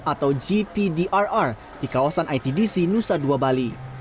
atau gpdrr di kawasan itdc nusa dua bali